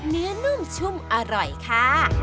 เนื้อนุ่มชุ่มอร่อยค่ะ